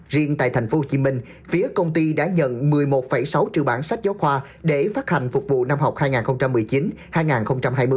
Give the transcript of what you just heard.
riêng tại tp hcm các công ty sách thiết bị trường học địa phương đã nhận một trăm linh kế hoạch sản lượng phát hành